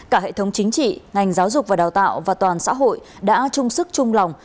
cả hệ thống chính trị ngành giáo dục và đào tạo và toàn xã hội đã chung sức chung lòng